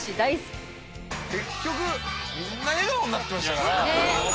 結局みんな笑顔になってましたからね。ねぇ！